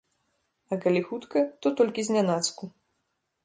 А калі хутка, то толькі знянацку.